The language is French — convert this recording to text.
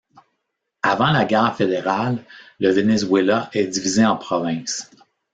Avant la Guerre fédérale, le Venezuela est divisé en provinces.